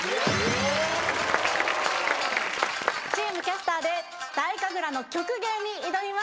チームキャスターで、太神楽の曲芸に挑みます。